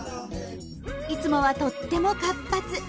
いつもはとっても活発。